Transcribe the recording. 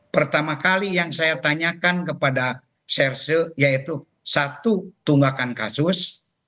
pertama kali yang saya tanyakan kepada serse yaitu satu tunggakan kasus